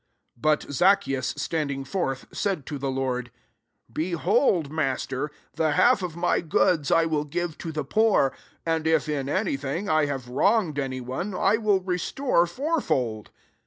"* 8 But Zaccheus standing forth, said to the Lord, '* Be hold, Master, the half of my goods I will give to the poor ; and if in any thing I have wrong ed any one, 1 will restore four fold.'